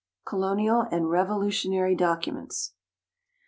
Colonial and Revolutionary Documents.